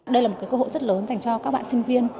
đây là một cơ hội rất lớn dành cho các bạn sinh viên